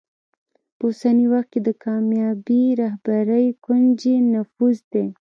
په اوسني وخت کې د کامیابې رهبرۍ کونجي نفوذ دی.